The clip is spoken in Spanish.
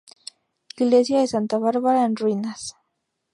Iglesia de Santa Bárbara, en ruinas.